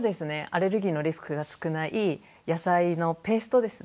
アレルギーのリスクが少ない野菜のペーストですね。